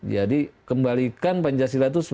jadi kembalikan pancasila itu